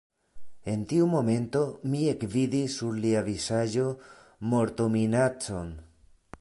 En tiu momento mi ekvidis sur lia vizaĝo mortominacon.